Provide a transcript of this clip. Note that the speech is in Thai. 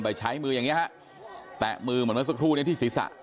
ไปใช้มืออย่างนี้ฮะแตะมือเหมือนกันสักครู่ที่ศิษย์สะ